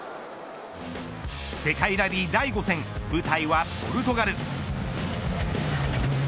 世界ラリー第５戦舞台はポルトガル。